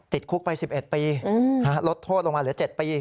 ติดคุกไป๑๑ปีลดโทษลงมาเหลือ๗ปี